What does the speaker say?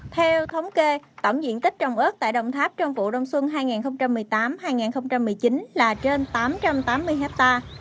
theo thống kê tổng diện tích trồng ớt tại đồng tháp trong vụ đông xuân hai nghìn một mươi tám hai nghìn một mươi chín là trên tám trăm tám mươi ha